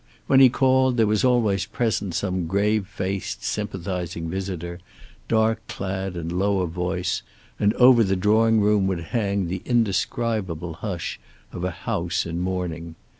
When he called there was always present some grave faced sympathizing visitor, dark clad and low of voice, and over the drawing room would hang the indescribable hush of a house in mourning.